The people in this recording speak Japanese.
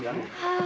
ああ。